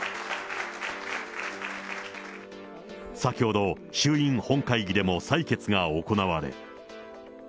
先ほど、衆議院本会議でも採決が行われ。